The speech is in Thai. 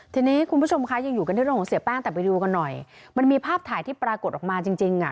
ทีนี้คุณผู้ชมคะยังอยู่กันที่เรื่องของเสียแป้งแต่ไปดูกันหน่อยมันมีภาพถ่ายที่ปรากฏออกมาจริงจริงอ่ะ